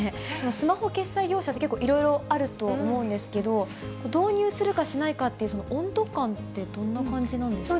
スマホ決済業者って、結構いろいろあると思うんですけど、導入するかしないかっていう、温度感ってどんな感じなんですか。